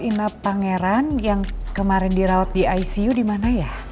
rawat inap pangeran yang kemarin dirawat di icu dimana ya